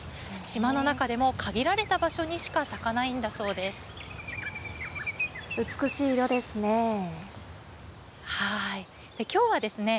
島の中でも限られた場所にしか咲美しい色ですね。